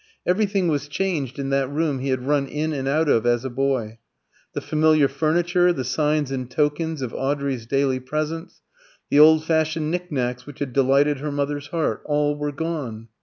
Everything was changed in that room he had run in and out of as a boy. The familiar furniture, the signs and tokens of Audrey's daily presence, the old fashioned knick knacks which had delighted her mother's heart, all were gone.